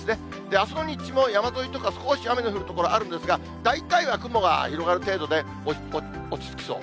あすの日中も山沿いとか少し雨の降る所あるんですが、大体は雲が広がる程度で、落ち着きそう。